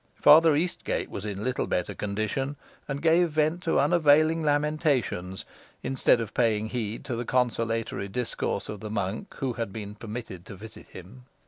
Father Eastgate was in little better condition, and gave vent to unavailing lamentations, instead of paying heed to the consolatory discourse of the monk who had been permitted to visit him.